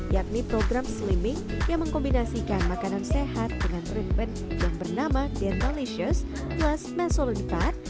yakni program slimming yang mengkombinasikan makanan sehat dengan treatment yang bernama denolicious plus mesolonifat